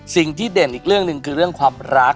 เด่นอีกเรื่องหนึ่งคือเรื่องความรัก